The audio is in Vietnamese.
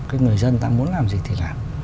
cái người dân ta muốn làm gì thì làm